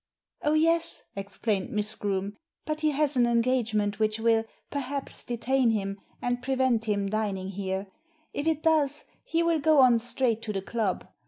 •'Oh, yes," explained Miss Groome; ''but he has an engagement which will, perhaps, detain him and prevent him dining here. If it does, he will go on straight to the club.